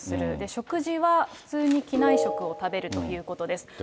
食事は普通に機内食を食べるということです。